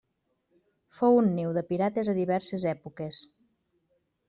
Fou un niu de pirates a diverses èpoques.